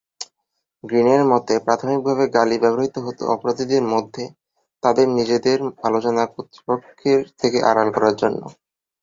গ্রিনের মতে প্রাথমিকভাবে গালি ব্যবহৃত হতো অপরাধীদের মধ্যে, তাদের নিজেদের আলোচনা কর্তৃপক্ষের থেকে আড়াল করার জন্য।